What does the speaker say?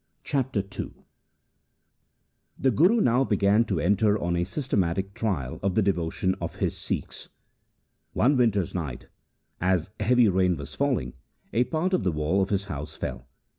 Chapter II The Guru now began to enter on a systematic trial of the devotion of his Sikhs. One winter's night, as heavy rain was falling, a part of the wall of his house fell.